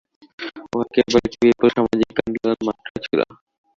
উহা কেবল একটি বিপুল সামাজিক আন্দোলন মাত্র ছিল।